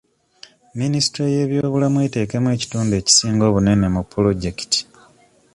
Minisitule y'ebyobulamu eteekamu ekitundu ekisinga obunene mu pulojekiti.